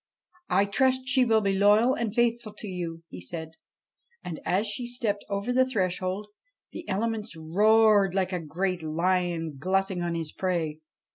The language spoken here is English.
' I trust she will be loyal and faithful to you/ he said ; and, as she stepped over the threshold, the elements roared like a great lion glutting on his prey.